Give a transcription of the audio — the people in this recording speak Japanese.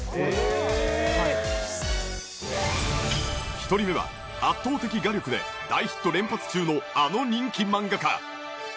１人目は圧倒的画力で大ヒット連発中のあの人気漫画家。